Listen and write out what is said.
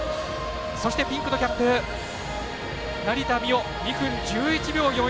そして、ピンクのキャップ成田実生、２分１１秒４１。